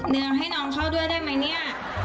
ให้น้องเข้าด้วยได้ไหมเนี่ย